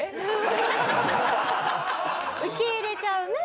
受け入れちゃうね